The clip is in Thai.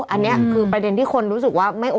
อันนี้คือประเด็นที่คนรู้สึกว่า